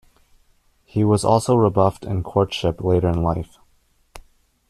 He was also rebuffed in courtship later in life.